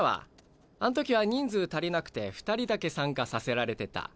あん時は人数足りなくて２人だけ参加させられてた。